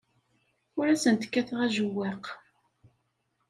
Ur asent-kkateɣ ajewwaq.